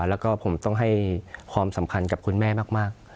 แล้วก็ผมต้องให้ความสำคัญกับคุณแม่มาก